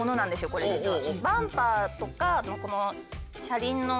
これ実は。